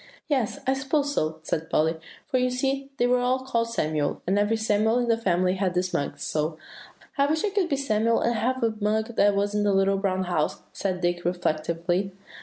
"Yes, I suppose so," said Polly; "for you see they were all called Samuel, and every Samuel in the family had this mug, so" "I wish I could be Samuel, and have a mug that was in The Little Brown House," said Dick reflectively.